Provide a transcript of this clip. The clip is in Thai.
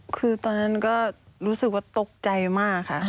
คือตอนนั้นก็รู้สึกว่าตกใจมากค่ะ